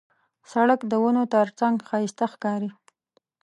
سړک د ونو ترڅنګ ښایسته ښکاري.